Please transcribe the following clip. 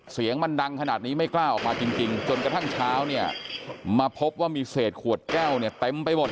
เสียงมันดังขนาดนี้ไม่กล้าออกมาจริงจนกระทั่งเช้าเนี่ยมาพบว่ามีเศษขวดแก้วเนี่ยเต็มไปหมด